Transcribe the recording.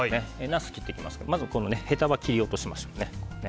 なすを切っていきますがへたは切り落としましょうね。